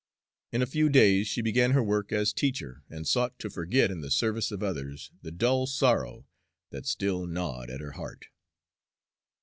In a few days she began her work as teacher, and sought to forget in the service of others the dull sorrow that still gnawed at her heart.